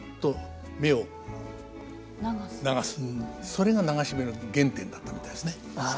それが流し目の原点だったみたいですね。